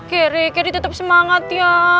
kereket ditetap semangat ya